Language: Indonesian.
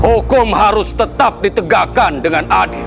hukum harus tetap ditegakkan dengan adil